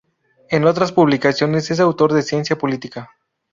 Entre otras publicaciones, es autor de "Ciencia Política.